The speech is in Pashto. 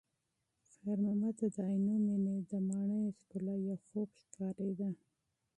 خیر محمد ته د عینومېنې د ماڼیو ښکلا یو خوب ښکارېده.